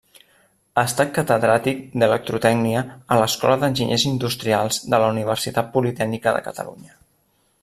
Ha estat catedràtic d'Electrotècnia a l'Escola d'Enginyers Industrials de la Universitat Politècnica de Catalunya.